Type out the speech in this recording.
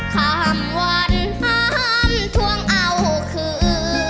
ข้ามวันห้ามทวงเอาคืน